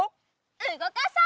うごかそう！